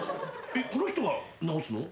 この人が直すの？